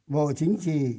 bộ chính trị